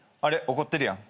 怒ってるやん。